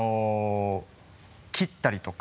切ったりとか。